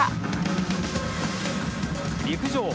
陸上。